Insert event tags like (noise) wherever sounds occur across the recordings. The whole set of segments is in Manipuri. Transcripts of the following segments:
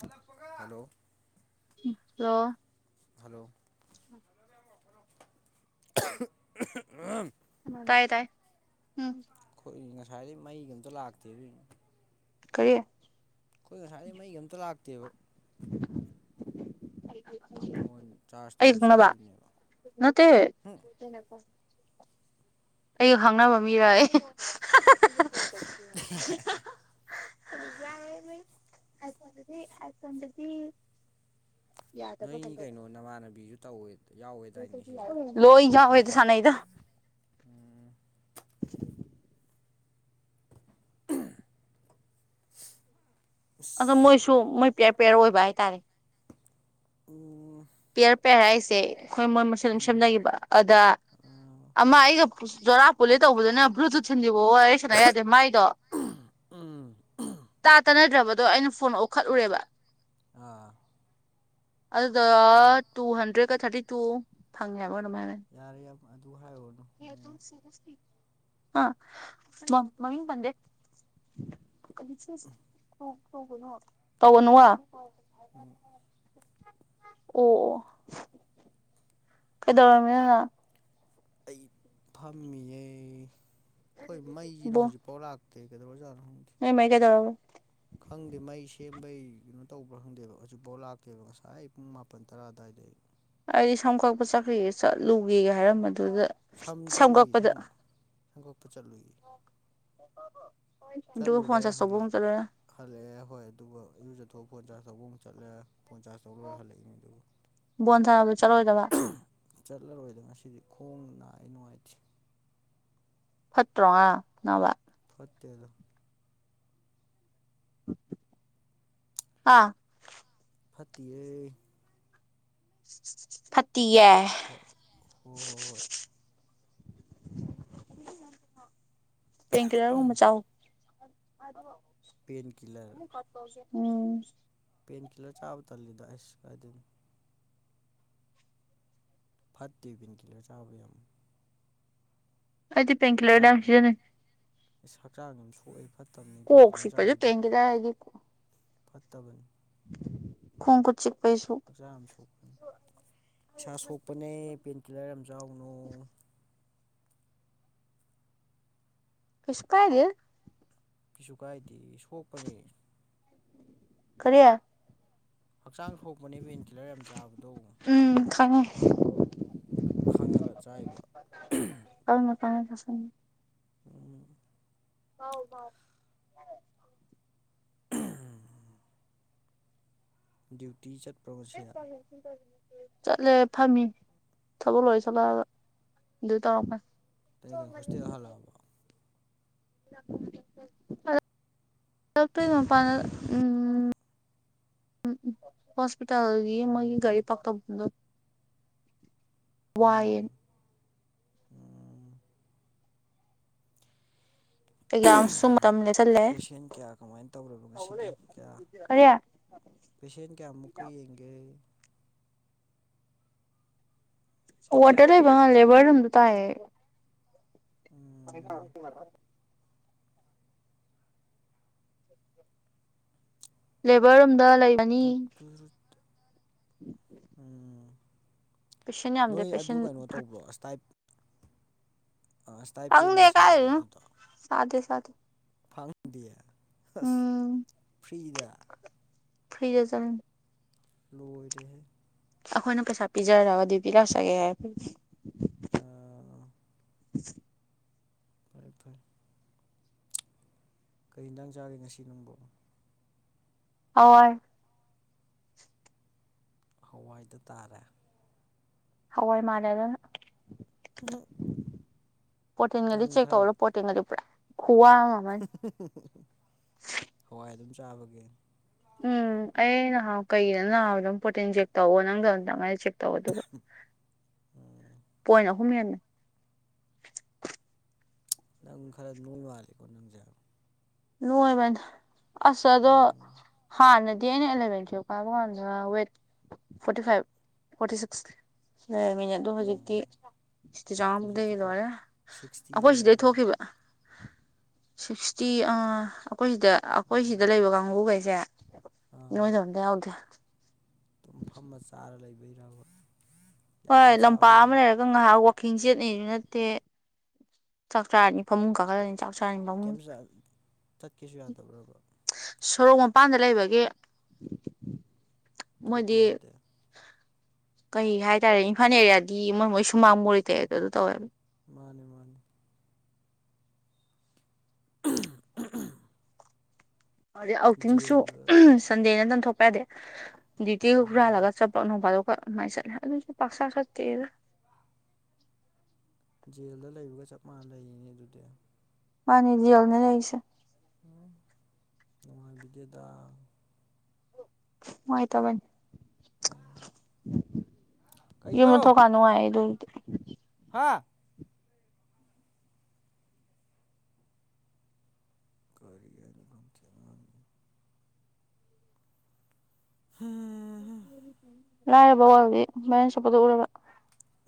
ꯍꯜꯂꯛꯄꯒ ꯍꯜꯂꯣ ꯎꯝ ꯂꯣ ꯍꯜꯂꯣ ꯎꯝ ꯇꯥꯏ ꯇꯥꯏ ꯎꯝ ꯈꯣꯏ ꯉꯁꯥꯏꯗꯩ ꯃꯩꯒ ꯑꯝꯇ ꯂꯥꯛꯇꯦ ꯑꯗꯨꯏꯅꯦ ꯀꯌꯤ ꯈꯣꯏ ꯉꯁꯥꯏꯗꯩ ꯃꯩꯒ ꯑꯝꯇ ꯂꯥꯛꯇꯦꯕ꯫ ꯐꯣꯟ ꯆꯥꯔꯖ (inaudible) ꯑꯩꯒ ꯇꯧꯕ ꯈꯪꯅꯕ ꯆꯠꯂꯨꯕꯅꯦꯕ ꯅꯠꯇꯦ ꯑꯩꯒ ꯈꯪꯅꯕ ꯃꯤꯔꯌꯦ (inaudible) ꯅꯣꯏ ꯀꯩꯅꯣ ꯅꯃꯥꯟꯅꯕꯤꯖꯨ ꯇꯧꯋꯦ ꯌꯥꯎꯋꯦ ꯗꯥꯏꯅꯦ ꯁꯤꯖꯦ꯫ ꯂꯣꯏ ꯌꯥꯋꯦꯗ ꯁꯥꯟꯅꯩꯗ꯫ (inaudible) ꯑꯗꯣ ꯃꯣꯏꯁꯨ ꯃꯣꯏ ꯄꯦꯌꯔ ꯄꯦꯌꯔ ꯑꯣꯏꯕ ꯍꯥꯏꯇꯥꯔꯦ꯫ ꯑꯣ ꯄꯤꯌꯔ ꯄꯤꯌꯔ ꯍꯥꯏꯁꯦ ꯑꯩꯈꯣꯏ ꯃꯣꯏ ꯃꯁꯦꯟ ꯑꯗꯨꯝ ꯁꯦꯝꯅꯒꯤꯕ ꯑꯗ ꯎꯝ ꯑꯃ ꯑꯩꯒ ꯖꯣꯔꯥ ꯄꯨꯂꯦ ꯇꯧꯕꯗꯨꯅ ꯕ꯭ꯂꯨꯇꯨꯠ ꯊꯤꯟꯗꯔ꯭ꯤꯕꯧ ꯋꯥꯔꯤ ꯁꯥꯟꯅ ꯌꯥꯗꯦ ꯃꯥꯏꯗꯣ ꯎꯝ ꯎꯝ ꯇꯥ ꯇꯅꯗ꯭ꯔꯕꯗꯣ ꯑꯩꯅ ꯐꯣꯟ ꯑꯣꯈꯠꯂꯨꯔꯦꯕ꯫ ꯑꯥ ꯑꯗꯨꯗꯣ ꯑꯗꯨ ꯇꯨ ꯍꯟꯗ꯭ꯔꯦꯠꯀ ꯊꯔꯇꯤ ꯇꯨ ꯐꯪꯉꯦ ꯍꯥꯏꯕ ꯀꯩꯅꯣꯝ ꯍꯥꯏꯕꯅꯤ ꯫ ꯌꯥꯔꯦ ꯌꯥꯝ ꯑꯗꯨ ꯍꯥꯏꯌꯨꯔꯅꯨ ꯍꯥ ꯃ ꯃꯃꯤꯡ ꯄꯟꯗꯦ ꯀꯟꯐꯥꯔꯦꯡꯁ ꯇꯧ ꯇꯧꯒꯅꯣ ꯇꯧꯒꯅꯨꯌꯣ ꯎꯝ ꯑꯣ ꯑꯣ ꯀꯩꯗꯧꯔꯝꯃꯤꯅꯣ ꯅꯪ ꯑꯩ ꯐꯝꯃꯤꯌꯦ ꯑꯩꯈꯣꯏ ꯕꯣ ꯃꯩꯁꯤꯅ ꯍꯧꯖꯤꯛꯐꯥꯎ ꯂꯥꯛ ꯀꯩ ꯀꯩꯗꯧꯔꯖꯥꯠꯅꯣ ꯈꯪꯗꯦ ꯅꯣꯏ ꯃꯩ ꯀꯩꯗꯧꯔꯕ ꯈꯪꯗꯦ ꯃꯩ ꯁꯦꯝꯕꯩ ꯀꯩꯅꯣ ꯇꯧꯕ꯭ꯔꯥ ꯈꯪꯗꯦꯕ ꯍꯧꯖꯤꯛꯐꯥꯎ ꯂꯥꯛꯇꯦꯕ ꯉꯁꯥꯏ ꯄꯨꯡ ꯃꯥꯄꯜ ꯇꯔꯥ ꯑꯗꯨꯋꯥꯏꯗꯩ ꯑꯩꯗꯤ ꯁꯝ ꯀꯛꯄ ꯆꯈ꯭ꯔꯤꯒ ꯆꯠꯂꯨꯒꯦꯒ ꯍꯥꯏꯔꯝꯕꯗꯨꯗ ꯁꯝ ꯆꯠꯂꯨꯏ ꯁꯝ ꯁꯝ ꯀꯛꯄ ꯆꯠꯂꯨꯏ ꯇꯥꯕ꯭ꯕꯣ ꯍꯣꯏ ꯇꯥꯏꯌꯦ ꯗꯨꯒ ꯐꯣꯟ ꯆꯠꯂꯨꯔꯦ ꯆꯥꯔꯖꯁ ꯍꯜꯂꯛ ꯇꯧꯕꯃꯨꯛ ꯆꯠꯂꯨꯏꯔꯥ ꯍꯜꯂꯛꯑꯦ ꯍꯣꯏ ꯑꯗꯨꯒ ꯏꯔꯨꯖꯊꯣꯛꯑꯥ ꯐꯣꯟ ꯆꯥꯔꯖ ꯇꯧꯕ ꯑꯃꯨꯛ ꯆꯠꯂꯦ ꯐꯣꯟ ꯆꯥꯔꯖ ꯇꯧ ꯂꯣꯏꯔꯦ ꯍꯜꯂꯛꯏꯅꯦ ꯗꯨꯒ ꯕꯣꯟ ꯊꯥꯅꯕ ꯆꯠꯂꯣꯏꯗꯕ ꯆꯠꯂꯔꯣꯏꯗ ꯉꯁꯤꯗꯤ ꯈꯣꯡ ꯅꯥꯏ ꯅꯨꯡꯉꯥꯏꯇꯦ ꯐꯠꯇ꯭ꯔꯣꯉꯔꯥꯡ ꯅꯥꯕ ꯐꯠꯇꯦꯗ (unintelligible) ꯐꯠꯇꯤꯌꯦ ꯐꯠꯇꯤꯌꯦ ꯍ ꯍꯣꯏ ꯍꯣꯏ ꯄꯦꯟꯀꯤꯂꯔ ꯒꯨꯝꯠ ꯆꯥꯎ ꯄꯦꯟꯀꯤꯂꯔ ꯎꯝ ꯄꯦꯟꯀꯤꯂꯔ ꯆꯥꯕ ꯇꯜꯂꯤ ꯑꯁ ꯀꯥꯏꯗꯩꯏꯅꯣ ꯐꯠꯇꯦ ꯄꯦꯟꯀꯤꯜꯂꯔ ꯆꯥꯕ ꯌꯥꯝ ꯑꯩꯗꯤ ꯄꯦꯡꯀꯤꯂꯔ ꯌꯥꯝ ꯁꯤꯖꯤꯟꯅꯩ ꯏꯁ ꯍꯛꯆꯥꯡ ꯑꯗꯨꯝ ꯁꯣꯛꯑꯦꯕ ꯀꯣꯛꯆꯤꯛꯄꯩꯁꯨ ꯄꯦꯟꯀꯤꯂꯔ ꯍꯥꯏꯗꯤ ꯐꯠꯇꯕꯅꯦ ꯈꯣꯡ ꯈꯨꯠ ꯆꯤꯛꯄꯩꯁꯨꯨ ꯍꯛꯆꯥꯡ ꯌꯥꯝ ꯁꯣꯛꯄꯅꯦ ꯏꯁꯥ ꯁꯣꯛꯄꯅꯦ ꯄꯦꯟꯀꯤꯂꯔ ꯌꯥꯝ ꯆꯥꯔꯨꯅꯨ ꯑꯁ ꯀꯥꯏꯗꯩꯅꯣ ꯀꯩꯁꯨ ꯀꯥꯏꯗꯦꯌꯦ ꯁꯣꯛꯄꯅꯦ ꯀꯔꯤ ꯍꯛꯆꯥꯡ ꯁꯣꯛꯄꯅꯦꯃꯤ ꯄꯦꯟꯀꯤꯂꯔ ꯌꯥꯝ ꯆꯥꯕꯗꯣ ꯎꯝ ꯈꯪꯉꯦ ꯈꯪꯉꯒ ꯆꯥꯏꯕ (unintelligible) (unintelligible) ꯍꯥꯎ ꯍꯥꯎ (unintelligible) ꯗ꯭ꯌꯨꯇꯤ ꯆꯠꯄ꯭ꯔꯣ ꯉꯁꯤ ꯆꯠꯂꯦ ꯐꯝꯃꯤ ꯊꯕꯛ ꯂꯣꯏ ꯆꯠꯂꯛꯑꯒ ꯑꯗꯨ ꯇꯧꯔꯝꯃꯦ ꯇꯩꯩꯅꯣ ꯍꯣꯁꯇꯦꯜ ꯍꯟꯂꯛꯑꯕꯣ (unintelligible) ꯍꯣꯁꯄꯤꯇꯥꯜꯒꯤ ꯃꯣꯒꯤ ꯎꯝ ꯒꯥꯔꯤ ꯄꯥꯔꯛ ꯇꯧꯐꯝꯗꯣ ꯋꯥꯏꯌꯦ ꯎꯝ ꯎꯝ ꯑꯦꯛꯖꯥꯝꯁꯨ ꯃꯇꯝ ꯂꯦꯞꯁꯜꯂꯦ ꯄꯦꯁꯦꯟ ꯀꯌꯥ ꯀꯃꯥꯏꯅ ꯇꯧꯔꯕ ꯉꯁꯤꯗꯤ ꯀꯌꯥ ꯀꯔꯤ ꯄꯦꯁꯦꯟ ꯀꯌꯥꯃꯨꯛꯀ ꯌꯦꯡꯒꯦ ꯋꯥꯇꯔ ꯂꯩꯕ ꯉ ꯂꯦꯕꯔ ꯔꯨꯝꯗ ꯇꯥꯏꯌꯦ ꯎꯝ (unintelligible) ꯂꯦꯕꯔ ꯔꯨꯝꯗ ꯂꯩ (unintelligible) ꯎꯝ ꯄꯦꯁꯦꯟ ꯌꯥꯝꯗꯦ ꯅꯣꯏ ꯑꯗꯨ ꯄꯦꯁꯦꯟ ꯀꯩꯅꯣ ꯇꯧꯕ꯭ꯔꯣ ꯑꯁꯇꯥꯏꯞ ꯑ ꯈꯪꯗꯦ ꯏꯁꯇꯥꯏꯄꯦꯟꯒ ꯁꯥꯕ꯭ꯔꯣ ꯀꯥꯏꯗꯩꯅꯣ ꯑꯗꯨꯗꯣ ꯆꯥꯗꯦ ꯆꯥꯗꯦ ꯗꯦ ꯑꯁ ꯎꯝ ꯐ꯭ꯔꯤꯗ ꯐ꯭ꯔꯤꯗ ꯆꯪ ꯂꯣꯢꯔꯦꯍꯦ ꯑꯩꯈꯣꯏꯅ ꯄꯩꯁꯥ ꯄꯤꯖꯔꯒꯗꯤ (unintelligible) ꯑ ꯐꯔꯦ ꯐꯔꯦ ꯀꯔꯤ ꯢꯟꯖꯥꯡ ꯆꯥꯒꯦ ꯉꯁꯤ ꯅꯪꯕꯣ ꯑꯣꯏ ꯍꯋꯥꯏꯗ ꯇꯥꯔꯦ ꯍꯋꯥꯏ ꯃꯥꯅꯗꯅ ꯎꯍꯨ ꯄ꯭ꯔꯣꯇꯤꯟꯒꯖꯦ ꯆꯦꯛ ꯇꯧꯔ ꯄ꯭ꯔꯣꯇꯤꯟꯒꯁꯦ ꯄꯨꯔꯥ ꯈꯨꯋꯥꯡ ꯍꯋꯥꯏ ꯑꯗꯨꯝ ꯆꯥꯕꯒꯤ ꯎꯝ ꯑꯩ ꯅꯍꯥꯎ ꯀꯩꯒꯤꯅꯣ ꯅꯕꯗ ꯄ꯭ꯔꯣꯇꯤꯟ ꯆꯦꯛ ꯇꯧꯑꯣ ꯅꯪꯗꯣ ꯑꯃꯝꯇꯪꯆꯦ ꯇꯧ ꯑꯗꯨꯒ ꯎꯝ ꯄꯣꯏꯟ ꯑꯍꯨꯝ ꯍꯦꯟꯕ ꯅꯪ ꯈꯔ ꯅꯣꯡ ꯉꯥꯜꯂꯤꯀꯣ ꯅꯪꯁꯦ ꯅꯣꯏꯕꯅꯦ ꯑꯁ ꯑꯗꯣ ꯎꯝ ꯍꯥꯟꯅꯗꯤ ꯑꯩꯅ ꯑꯦꯂꯚꯦꯟ ꯇꯨꯌꯦ ꯄꯥꯕ ꯀꯥꯟꯗ weight forty five forty six ꯂꯩꯔꯃꯤꯅꯦ ꯑꯗꯣ ꯍꯧꯖꯤꯛꯇꯤ ꯎꯝ ꯁꯤꯇꯤ ꯍꯧꯖꯤꯛꯇꯤ ꯆꯥꯝꯃꯥꯃꯗꯒꯤ ꯀꯌꯥ ꯂꯣꯏꯔꯦ ꯁꯤꯛꯁꯇꯤ ꯑꯩꯈꯣꯏ ꯁꯤꯗꯩ ꯂꯩꯔꯕꯣ ꯊꯣꯛꯈꯤꯕ ꯁꯤꯛꯁꯇꯤ ꯑ ꯑꯩꯈꯣꯏ ꯁꯤꯗ ꯑꯩꯈꯣꯏ ꯁꯤꯗ ꯂꯩꯕ ꯀꯥꯡꯕꯨꯒꯩꯁꯦ ꯑꯥ ꯅꯣꯏꯗꯕꯝꯗ ꯌꯥꯎꯗꯦ ꯑꯗꯨꯝ ꯐꯝꯃ ꯆꯥꯔ ꯂꯩꯕꯩꯔꯕ ꯌꯥꯝ ꯍꯣꯏ ꯌꯥꯝ ꯂꯝꯄꯥꯛ ꯆꯥꯕꯩꯔ ꯑꯃ ꯂꯩꯔꯒ ꯉꯥꯏꯍꯥꯛ ꯋꯥꯛꯀꯤꯡ ꯆꯦꯠꯅꯤꯁꯨ ꯅꯠꯇꯦ ꯆꯥꯛ ꯆꯔꯥꯅꯤ ꯐꯃꯨꯡ ꯀꯥꯈꯠꯂꯅꯤ ꯆꯥꯛ ꯆꯥꯅꯤ ꯐꯃꯨꯡ ꯀꯩꯝ ꯆꯠꯀꯦꯁꯨ ꯌꯥꯗꯕ꯭ꯔꯕ ꯁꯣꯔꯣꯛ ꯃꯄꯥꯟꯗ ꯂꯩꯕꯒꯤ ꯃꯣꯏꯗꯤ ꯊꯣꯛꯀ ꯌꯥꯗꯦ ꯀꯩ ꯍꯥꯏꯇꯥꯔꯦ ꯏꯝꯐꯥꯜ ꯑꯦꯔꯤꯌꯥꯗꯤ ꯃꯣꯏ ꯃꯣꯏ ꯁꯨꯃꯥꯡ ꯕꯧ ꯂꯩꯇꯦꯗꯣ ꯑꯗꯨ ꯇꯧꯋꯦꯕ ꯃꯥꯅꯦ ꯃꯥꯅꯦ (unintelligible) ꯑꯗꯨꯗꯩ ꯑꯥꯎꯇꯤꯡꯁꯨ ꯖꯦꯜꯗ ꯁꯟꯗꯦ ꯅꯠꯇꯅ ꯊꯣꯛꯄ ꯌꯥꯗꯦ ꯗ꯭ꯌꯨꯇꯤ ꯎꯝ ꯍꯨꯔꯥꯜꯂꯒ ꯆꯠꯄ ꯅꯣꯡꯐꯥꯗꯣꯛ ꯍꯣꯏꯠ ꯑꯗꯨꯃꯥꯏ ꯆꯠꯂꯦ ꯑꯗꯨꯁꯨ ꯄꯥꯛꯁꯥ ꯆꯠꯇꯦꯗ ꯖꯦꯜꯗ ꯂꯩꯕꯒ ꯆꯞ ꯃꯥꯟꯅ ꯂꯩꯔꯤꯅꯦ ꯑꯗꯨꯗꯤ ꯃꯥꯅꯤ ꯖꯦꯜꯅꯦ ꯂꯩꯔꯤꯁꯦ ꯅꯨꯡꯉꯥꯢꯕꯤꯗꯦꯗ ꯅꯨꯡꯉꯥꯢ ꯇꯕꯅꯤ ꯀꯩꯅꯣ ꯌꯨꯝꯒ ꯊꯣꯛ ꯀꯥꯟ ꯅꯨꯡꯉꯥꯏ ꯑꯗꯨꯝ ꯍꯥꯥ ꯀꯥꯔꯤ ꯍꯥꯢꯅꯣ ꯈꯪꯗꯦ ꯑꯉꯥꯡꯅꯤ ꯍꯨꯝ ꯂꯥꯏꯔꯕ ꯋꯥꯔꯜꯒꯤ ꯕꯥꯏꯔꯦꯜ ꯆꯞꯄꯗꯣ ꯎꯔꯕ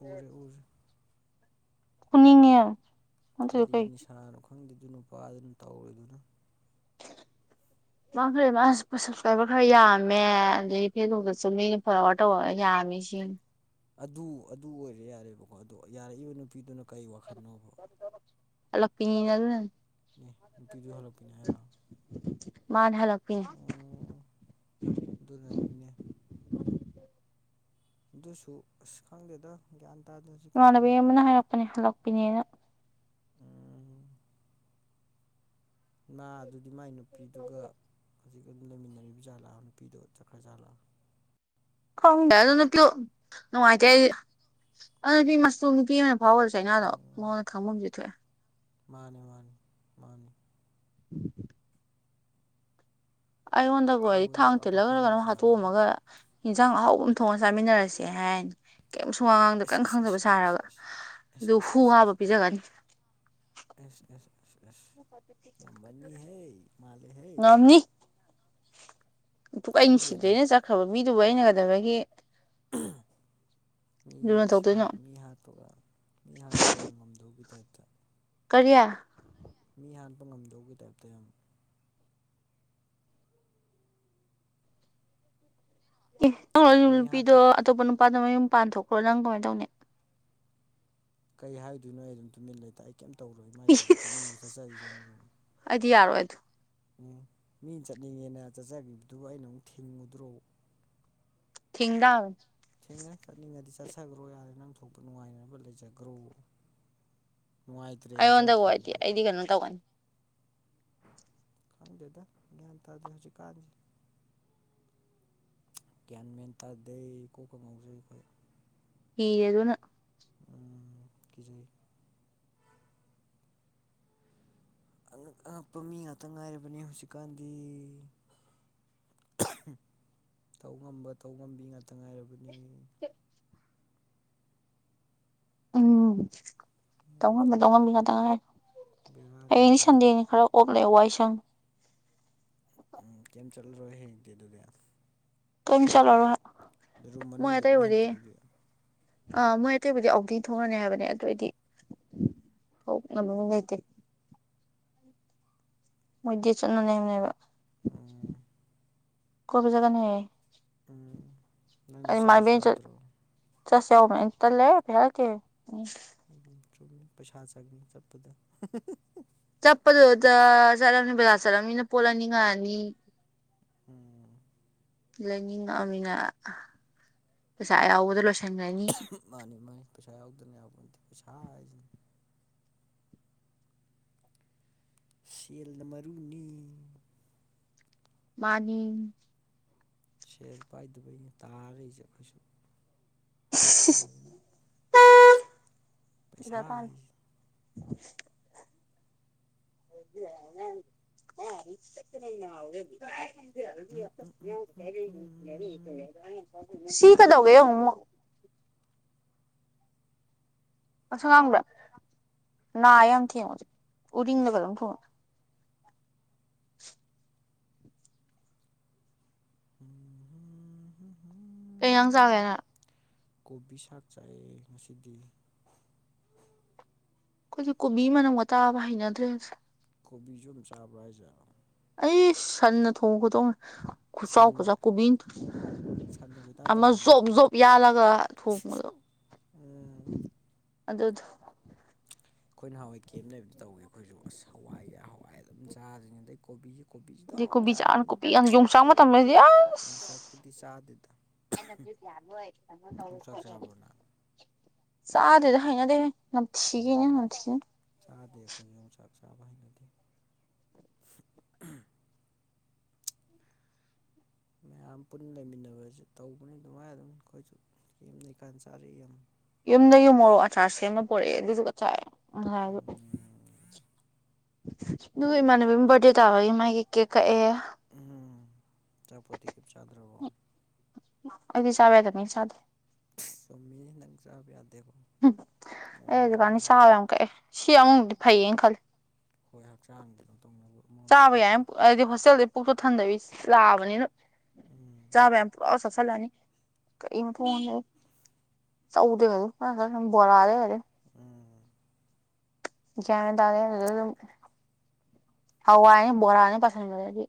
ꯎꯔꯦ ꯎꯔꯦ ꯎꯅꯤꯡꯉꯦ ꯌꯥꯝ ꯅꯠꯇ꯭ꯔꯗꯤ ꯀꯔꯤ ꯀꯩ ꯅꯤꯁꯥꯥꯅꯣ ꯈꯪꯗꯦ ꯗꯨ ꯅꯨꯄꯥꯗꯨꯅ ꯇꯧꯔꯤꯗꯨꯅ ꯃꯥ ꯈꯔ ꯃꯥ ꯁꯁꯀ꯭ꯔꯥꯏꯕꯔ ꯈꯔ ꯌꯥꯝꯃꯦ ꯑꯗꯒꯤ ꯐꯦꯁꯕꯨꯛꯇꯁꯨ ꯃꯤꯅ ꯐꯣꯂꯣꯋꯥꯔꯗ ꯇꯧꯕꯒ ꯌꯥꯝꯃꯦ ꯁꯤ ꯑꯗꯨ ꯑꯗꯨ ꯑꯣꯏꯔꯦ ꯌꯥꯔꯦꯕꯀꯣ ꯑꯗꯣ ꯌꯥꯔꯛꯏꯕ ꯅꯨꯄꯤꯗꯨꯅ ꯀꯩ ꯋꯥꯈꯜꯅꯣꯕ ꯍꯜꯂꯛꯄꯤꯅ ꯑꯗꯨꯅꯅꯤ ꯑꯦ ꯅꯨꯄꯤꯗꯨ ꯍꯜꯂꯛꯄꯅꯦ ꯍꯥꯏꯔꯣ ꯑꯣ ꯃꯥꯅ ꯍꯜꯂꯛꯄꯤꯅꯤ (inaudible) ꯑꯗꯨꯔꯅꯤꯅꯦ ꯑꯗꯨꯁꯨ ꯑꯁ ꯈꯪꯗꯦꯗ ꯒ꯭ꯌꯥꯟ ꯇꯥꯗꯦ ꯍꯨꯖ ꯏꯃꯥꯟꯅꯕꯤ ꯑꯃꯅ ꯍꯥꯏꯔꯛꯄꯅꯦ ꯍꯂꯛꯄꯤꯅꯦꯅ ꯎꯝ ꯅꯥ ꯑꯗꯨꯗꯤ ꯃꯥꯏ ꯅꯨꯄꯤꯗꯨꯒ ꯍꯧꯖꯤꯛ ꯑꯗꯨꯝ ꯂꯩꯃꯤꯟꯅꯔꯤꯕꯖꯥꯂ ꯅꯨꯄꯤꯗꯣ ꯆꯠꯈ꯭ꯔꯖꯥꯂ ꯈꯪꯗꯦ ꯑꯗꯨ ꯅꯨꯄꯤꯗꯣ ꯅꯨꯡꯉꯥꯏꯇꯦ ꯑꯩꯗꯤ ꯑꯗꯨ ꯅꯨꯄꯤ ꯃꯆꯨꯝ ꯅꯨꯄꯤ ꯑꯃ ꯐꯥꯎꯔꯁꯨ ꯆꯩꯅꯥꯗꯣ ꯃꯉꯣꯟꯗ ꯈꯥꯡꯃꯝꯗꯤ ꯊꯣꯛꯑꯦ ꯃꯥꯅꯤ ꯃꯥꯅꯤ ꯃꯥꯅꯤ (inaudible) ꯑꯩꯉꯣꯟꯗꯕꯨ ꯑꯣꯏꯔꯗꯤ ꯂꯣꯏꯔꯦ ꯊꯥꯡ ꯄꯨꯔꯥ ꯇꯤꯜꯂꯒꯔ ꯄꯥꯈꯪ ꯀꯩꯅꯣꯝ ꯁꯥꯔꯒ ꯍꯥꯠꯇꯣꯛꯑꯝꯃꯒ ꯏꯟꯁꯥꯡ ꯑꯍꯥꯎꯕ ꯑꯃ ꯊꯣꯛꯑ ꯆꯥꯃꯤꯟꯅꯔꯁꯦ ꯍꯥꯏꯔꯅꯤ ꯀꯩꯝ ꯁꯨꯉꯥꯡꯉꯥꯡꯗ ꯑꯁ ꯀꯩꯝ ꯑꯁ ꯈꯪꯗꯕ ꯑꯁ ꯑꯁ ꯑꯁ ꯁꯥꯔꯒ ꯑꯗꯨ ꯑꯁ ꯑꯁ ꯑꯁ ꯍꯨ ꯍꯥꯞꯄ ꯄꯤꯖꯒꯅꯤ ꯑꯦꯁ ꯑꯦꯁ ꯑꯦꯁ ꯑꯦꯁ ꯉꯝꯃꯅꯤꯍꯦ ꯃꯥꯂꯦꯍꯦ ꯄꯨꯛ ꯑꯩ ꯅꯨꯡꯁꯤꯗꯩꯅ ꯆꯠꯈ꯭ꯔꯕ ꯃꯤꯗꯨꯕꯨ ꯑꯩꯅ ꯀꯩꯗꯕꯒꯤ ꯃꯤ ꯂꯨꯅ ꯇꯧꯗꯣꯏꯅꯣ ꯁꯥꯍꯥꯠ ꯃꯤ ꯍꯥꯄꯒ ꯃꯤ ꯍꯥꯄꯒ ꯌꯥꯝ ꯉꯝꯗꯧ ꯗꯧꯒꯤ ꯇꯥꯏꯞꯇ ꯀꯔꯤꯌꯥ ꯃꯤ ꯍꯥꯠꯄ ꯉꯝꯗꯧꯕꯒꯤ ꯇꯥꯏꯞꯇ ꯌꯥꯝ ꯑꯦ ꯅꯪ ꯂꯧꯔꯤꯕ ꯃꯤ ꯅꯨꯄꯤꯗꯣ ꯍꯥꯠꯄ ꯑꯇꯣꯞꯄ ꯅꯨꯄꯥꯗ ꯃꯌꯨꯝ ꯄꯥꯟ ꯊꯣꯛꯈ꯭ꯔꯣ ꯅꯪ ꯀꯃꯥꯏꯅ ꯇꯧꯅꯤ ꯀꯔꯤ ꯍꯥꯏꯗꯣꯏꯅꯣ ꯑꯩ ꯑꯗꯨꯝ ꯇꯨꯃꯤꯟ ꯂꯩꯇ ꯑꯩ ꯀꯩꯝꯇ ꯇꯧꯔꯣꯏ ꯃꯥꯏ ꯏꯁ ꯆꯠꯆ ꯆꯠꯅꯤꯡꯕ ꯆꯠꯆꯒꯤꯖꯅꯨꯑꯣ ꯑꯩꯗꯤ ꯌꯥꯔꯣꯏ ꯑꯗꯨ ꯎꯝ ꯃꯤꯅ ꯆꯠꯅꯤꯡꯉꯦꯅ ꯆꯠꯆꯕꯤꯕꯗꯨ ꯑꯩꯅ ꯑꯃꯨꯛ ꯊꯤꯡꯉꯨꯗ꯭ꯔꯣ ꯊꯤꯡ ꯇꯕꯅꯤ ꯊꯦꯡꯉ ꯆꯠꯅꯤꯡꯉꯗꯤ ꯆꯠꯆꯈ꯭ꯔꯣ ꯌꯥꯔꯦ ꯅꯪ ꯊꯣꯛꯄ ꯅꯨꯡꯉꯥꯏꯅꯕ ꯂꯩꯖꯒ꯭ꯔꯣ ꯅꯨꯡꯉꯥꯏꯇ꯭ꯔꯦꯅ ꯑꯩꯉꯣꯟꯗꯒ ꯆꯠꯈ꯭ꯔꯤꯅꯤ ꯑꯣꯏꯔꯗꯤ ꯀꯩꯅꯣ ꯑꯩꯗꯤ ꯀꯩꯅꯣ ꯇꯧꯒꯅꯤ ꯈꯪꯗꯦꯗ ꯒ꯭ꯌꯥꯟꯇꯗꯦ ꯍꯧꯖꯤꯛꯀꯥꯟꯁꯦ ꯒ꯭ꯌꯥꯟ ꯃꯦꯟ ꯇꯥꯗꯦ ꯀꯣꯛꯀ ꯉꯥꯎꯖꯩ ꯈꯣꯏ ꯍꯤꯔꯦ ꯑꯗꯨꯅ ꯎꯝ ꯀꯤꯖꯩ ꯑꯉꯛ ꯑꯉꯛꯄ ꯃꯤ ꯉꯥꯛꯇ ꯉꯥꯏꯔꯕꯅꯦ ꯍꯧꯖꯤꯛꯀꯥꯟꯗꯤ ꯇꯧ ꯉꯝꯕ ꯇꯧ ꯉꯝꯕꯤ ꯉꯥꯛꯇ ꯉꯥꯏꯔꯕꯅꯦ ꯎꯝ ꯇꯧꯉꯝꯕ ꯑꯗꯨꯅ ꯇꯧꯉꯝꯕꯤ ꯉꯥꯛꯇ ꯉꯥꯏꯔꯦ ꯕꯦꯔꯥꯅꯤ ꯍꯌꯦꯗꯤ ꯑꯗꯨꯅ ꯁꯟꯗꯦꯅꯤ ꯈꯔ ꯑꯣꯞ ꯂꯩ ꯋꯥꯏꯁꯪ ꯎꯝ ꯀꯩꯝ ꯆꯠꯂꯔꯣꯏ ꯍꯌꯦꯡꯗꯤ ꯑꯗꯨꯗꯤ ꯀꯩꯝ ꯆꯠꯂꯔꯣ ꯔꯨꯝ ꯃꫭꯏ ꯃꯅꯨꯡꯗ ꯑꯗꯨꯝ ꯑꯇꯩꯕꯨꯗꯤ ꯍꯦꯟꯇꯣꯛꯏꯗꯨꯗꯤ ꯑꯥ ꯃꯣꯏ ꯑꯇꯩꯕꯨꯗꯤ ꯑꯥꯎꯗꯤ ꯊꯣꯡꯔꯅꯤ ꯍꯥꯏꯕꯅꯦ ꯑꯗꫭ ꯑꯩꯗꯤ (unintelligible) ꯂꯩꯇꯦ ꯃꯣꯏ ꯗꯦꯠ ꯆꯠꯅꯅꯦ ꯍꯥꯏꯕꯅꯦꯕ ꯎꯝ ꯀꯣꯏꯕ ꯆꯠꯀꯅꯤ ꯍꯥꯏ ꯎꯝ ꯅꯪꯁꯨ ꯑꯩ ꯆꯠꯂꯨꯁꯨ ꯃꯥꯏꯕꯤ ꯆꯠ ꯌꯥꯗ꯭ꯔꯣ ꯆꯠꯁꯦ ꯍꯧꯕꯅꯦ ꯑꯩ ꯇꯜꯂꯦ ꯄꯩꯁꯥ ꯂꯩꯇꯦ ꯎꯝ ꯆꯨꯝꯃꯤ ꯄꯩꯁꯥ ꯆꯪꯉꯤ ꯆꯠꯄꯗ ꯆꯠꯄꯗꯨꯗ ꯆꯠꯂꯅꯤ ꯕꯖꯥꯔ ꯆꯠꯂꯝꯅꯤꯅ ꯄꯣꯠ ꯂꯩꯅꯤꯡꯉꯛꯑꯅꯤ ꯎꯝ ꯂꯥꯏꯅꯤꯡꯉꯛꯑꯅꯤꯅ ꯄꯩꯁꯥ ꯑꯌꯥꯎꯕꯗꯣ ꯂꯣꯏꯁꯤꯟꯒꯔꯅꯤ ꯃꯥꯅꯤ ꯃꯥꯅꯤ ꯄꯩꯁꯥ ꯌꯥꯎꯗꯅ ꯌꯥꯄꯣꯠꯇꯦ ꯄꯩꯁꯥ ꯍꯥꯏꯖꯤꯅꯤ ꯁꯦꯜꯅ ꯃꯔꯨꯅꯤ ꯃꯥꯅꯤ ꯁꯦꯜ ꯄꯥꯏꯗꯕꯩꯅꯦ ꯇꯥꯔ ꯂꯩꯖꯦ ꯑꯈꯣꯏꯖꯨ ꯄꯩꯁꯥꯖꯤꯅ ꯄꯩꯁꯥ ꯍꯥꯏꯖꯦ (unintelligible) (unintelligible) (unintelligible) ꯁꯤ ꯀꯩꯗꯧꯒꯦ ꯌꯦꯡꯉꯨ ꯉꯁꯪ ꯉꯥꯡꯕ꯭ꯔꯥ ꯅꯥꯥꯢ ꯌꯥꯝ ꯊꯦꯡꯕꯗ ꯎꯔꯤꯡꯂꯥ ꯀꯩꯅꯣꯝ ꯊꯨꯡꯉꯦ (unintelligible) (unintelligible) ꯀꯩ ꯢꯟꯖꯥꯡ ꯆꯥꯒꯦ ꯅꯪ ꯀꯣꯕꯤ ꯁꯥꯛ ꯆꯥꯏꯑꯦ ꯉꯁꯤꯗꯤ ꯑꯈꯣꯏꯖꯨ ꯀꯣꯕꯤ ꯃꯅꯝꯒ ꯇꯥꯕ ꯍꯩꯅꯗ꯭ꯔꯦꯗ ꯀꯣꯕꯤꯖꯨ ꯑꯗꯨꯝ ꯆꯥꯕ꯭ꯔꯥ ꯍꯥꯏꯖꯦ ꯑꯩꯁ ꯁꯟꯅ ꯊꯣꯡ ꯈꯨꯠꯊꯣꯡꯅꯤ ꯈꯨꯆꯥꯎ ꯁꯟꯅ ꯈꯨꯆꯥꯎ ꯀꯣꯕꯤ ꯁꯟꯅ ꯀꯣꯏꯇꯥꯟ ꯑꯃ ꯖꯣꯞ ꯇꯥꯟꯅꯅꯤꯀꯣ ꯖꯣꯄ ꯌꯥꯜꯂꯒ ꯊꯣꯡꯕꯗꯣ ꯎꯝ ꯑꯗꯨꯗꯣ ꯑꯩꯈꯣꯏ ꯅꯍꯋꯥꯏ ꯀꯦꯝ ꯂꯩꯕꯗꯣ ꯇꯧꯏ ꯑꯈꯣꯏꯖꯨ ꯑꯁ ꯍꯋꯥꯏꯒꯤ ꯍꯋꯥꯏ ꯑꯗꯨꯝ ꯆꯥꯗꫭꯏꯅꯤ ꯑꯗꯩ ꯀꯣꯕꯤ ꯑꯩꯗꯤ ꯀꯣꯕꯤ ꯆꯥꯅ ꯀꯣꯕꯤ ꯌꯣꯡꯆꯥꯛ ꯃꯇꯝꯗꯗꯤ ꯑꯁ ꯌꯣꯡꯆꯥꯛꯄꯨꯗꯤ ꯆꯥꯗꯦꯗ ꯑꯩꯅ ꯗꯤꯞ ꯌꯥꯟꯕꯣꯢ ꯀꯩꯅꯣ ꯇꯧꯌꯦ ꯌꯣꯡꯆꯥꯛ ꯈꯣꯠꯂꯦꯅ ꯆꯥꯕ꯭ꯔꯣ ꯅꯪ ꯆꯥꯗꯦꯗ ꯍꯥꯏꯅꯗꯦꯍꯦ ꯅꯝꯊꯤꯒꯦ ꯅꯝꯊꯤ ꯆꯥꯗꯦ ꯑꯈꯣꯏ ꯌꯣꯡꯆꯥꯛ ꯆꯥꯕ ꯍꯩꯅꯗꯦ ꯃꯌꯥꯝ ꯄꯨꯟꯅ ꯂꯩꯃꯤꯟꯅꯕꯖꯨ ꯇꯧꯕꯅꯤ ꯑꯗꯨꯃꯥꯏꯅ ꯑꯗꯨꯝ ꯑꯈꯣꯏꯖꯨ ꯌꯨꯝ ꯂꯩꯀꯥꯟꯗ ꯆꯥꯔꯛꯥꯦ ꯌꯥꯝ ꯌꯨꯝꯗꯒꯤ ꯃꯣꯔꯣꯛ ꯑꯆꯥꯔ ꯁꯦꯝꯃ ꯄꯣꯔꯛꯑꯦ ꯑꯗꯨꯗꯨꯒ ꯆꯥꯢ ꯉꯁꯥꯏꯖꯨ ꯗꯨꯒ ꯏꯃꯥꯟꯅꯕꯤ ꯑꯃ ꯕꯥꯔꯠꯗꯦ ꯇꯥꯕꯒꯤ ꯃꯥꯒꯤ ꯀꯦꯛ ꯀꯛꯑꯦ ꯎꯝ ꯑꯆꯥꯄꯣꯠꯇꯤ ꯀꯩꯝ ꯆꯥꯗ꯭ꯔꯕꯣ ꯑꯩꯗꯤ ꯆꯥꯕ ꯌꯥꯗꯕꯅꯤꯅ ꯆꯥꯗꯦ ꯆꯨꯝꯃꯤꯅꯦ ꯅꯪ ꯆꯥꯕ ꯌꯥꯗꯦꯀꫭ ꯑꯩ ꯍꯧꯖꯤꯛꯀꯥꯟꯗꯤ ꯆꯥꯕ ꯌꯥꯝ ꯀꯛꯑꯦ ꯁꯤ ꯑꯃꯔꫭꯝꯗꯗꯤ ꯐꯩꯌꯦꯅ ꯈꯜꯂꯦ ꯍꯣꯏ ꯍꯛꯆꯥꯡꯗꯤ ꯗꯨꯝ ꯇꯧꯅꯕ ꯆꯥꯕ ꯑꯃꯔꯣꯝꯗꯗꯤ ꯌꯥꯏ ꯐꯩ ꯍꯥꯏꯗꯤ ꯍꯣꯁꯇꯦꯜꯗꯩ ꯄꯨꯛꯇꯣ ꯊꯟꯗꯕꯤ ꯂꯥꯛꯑꯕꯅꯤꯅ꯫ ꯎꯝ ꯆꯥꯕ ꯌꯥꯕ ꯄꯨꯡ ꯆꯥ ꯆꯥꯁꯜꯂꯅꯤ ꯀꯩ ꯃꯊꯣꯡ ꯃꯔꯝ ꯈꯪꯗꯉꯩ꯫ ꯆꯧꯗꯩ ꯀꯩꯗꯩ (unintelligible) ꯕꯣꯔꯥꯗꯩ ꯀꯩꯗꯩ ꯎꯝ ꯒ꯭ꯌꯥꯟ ꯇꯥꯗꯦ ꯑꯗꯨꯗꯗꯨꯝ ꯍꯋꯥꯢꯅꯦ ꯕꯣꯔꯥꯅꯦ ꯄꯥꯁꯟꯈ꯭ꯔꯥꯗꯤ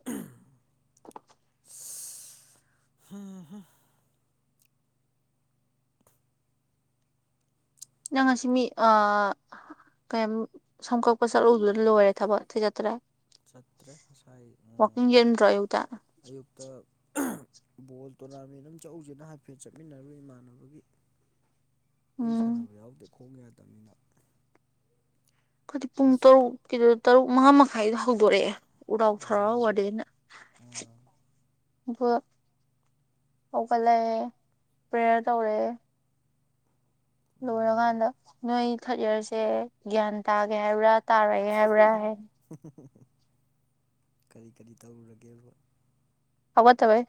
(inaudible) ꯅꯪ ꯉꯁꯤ ꯃꯤ ꯑ ꯀꯩꯝ ꯁꯝ ꯀꯛꯄ ꯆꯠꯂꯨꯕꯗꯨꯅ ꯂꯣꯏꯔꯦ ꯊꯕꯛ ꯑꯇꯩ ꯆꯠꯇ꯭ꯔꯦ꯫ ꯆꯠꯇ꯭ꯔꯦ ꯉꯁꯥꯏ ꯋꯥꯛꯀꯤꯡ ꯎꯝ ꯆꯦꯟꯗ꯭ꯔꯣ ꯑꯌꯨꯛꯇ ꯑꯌꯨꯛꯇ꯫ ꯕꯣꯜ ꯇꯣꯔꯅꯥꯃꯦꯟ ꯑꯃ ꯆꯧꯖꯦꯅ ꯍꯥꯏꯐꯦꯠ ꯆꯠꯃꯤꯟꯅꯔꯨꯢ ꯏꯃꯥꯟꯅꯕꯒꯤ꯫ (inaudible) ꯑꯩ ꯁꯥꯟꯅꯕ ꯌꯥꯎꯗꯦ ꯈꯣꯡ ꯌꯥꯗꯝꯅꯤꯅ꯫ ꯈꯣꯏꯗꯤ ꯄꯨꯡ ꯑꯁ ꯇꯔꯨꯛ ꯀꯤꯗꯨ ꯇꯔꯨꯛ ꯃꯉꯥ ꯃꯈꯥꯏꯗꯨꯗ ꯍꯧꯗꯣꯔꯛꯑꯦ ꯎꯔꯥꯎ ꯊꯔꯥꯎꯔ ꯋꯥꯔꯗꯦꯟꯅ꯫ ꯕ ꯍꯧꯒꯠꯂꯛꯑꯦ ꯄ꯭ꯔꯦꯌꯔ ꯇꯧꯔꯦ꯫ ꯂꯣꯏꯔꯀꯥꯟꯗ ꯅꯣꯏ ꯊꯥꯔꯠ ꯌꯌꯥꯔꯁꯦ ꯒ꯭ꯌꯥꯟ ꯇꯥꯒꯦ ꯍꯥꯏꯕ꯭ꯔꯥ꯫ ꯇꯥꯔꯣꯏꯒꯦ ꯍꯥꯏꯕ꯭ꯔ ꯍꯥꯏꯌꯦ ꯫ ꯀꯔꯤ ꯀꯔꯤ ꯇꯧꯔꯨꯔꯒꯦꯕ꯫ ꯍꯧꯒꯠꯇꯕꯩ